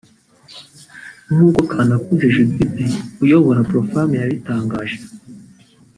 nk’uko Kanakuze Judith uyobora Pro- Femmes yabitangaje